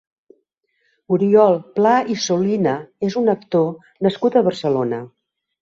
Oriol Pla i Solina és un actor nascut a Barcelona.